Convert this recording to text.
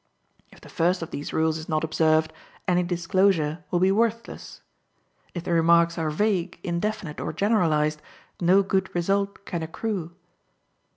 If the first of these rules is not observed, any disclosure will be worthless; if the remarks are vague, indefinite, or generalized, no good result can accrue.